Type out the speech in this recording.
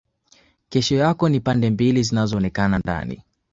Kesho yako ni pande mbili zinazoonekana ndani